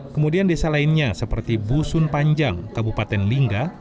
kemudian desa lainnya seperti busun panjang kabupaten lingga